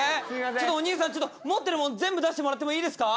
ちょっとおにいさん持ってるもの全部出してもらってもいいですか？